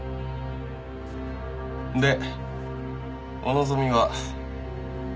でお望みは？